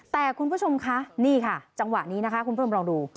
แต่คุณผู้ชมคะนี่ค่ะจังหวะนี้นะคะคุณผู้ชมลองดู